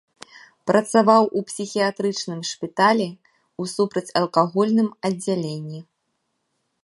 Працаваў у псіхіятрычным шпіталі ў супрацьалкагольным аддзяленні.